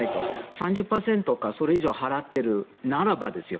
３０％かそれ以上払っているならばですよ